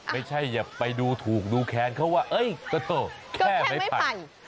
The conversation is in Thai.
ไม่ใช่อย่าไปดูถูกดูแค้นเขาว่าเอ๊ยโอ้โธ่แค่ไม้ไผ่